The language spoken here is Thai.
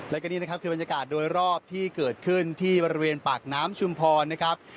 แล้วก็นี่นะครับคือบรรยากาศโดยรอบที่เกิดขึ้นที่บริเวณปากน้ำชุมพรนะครับ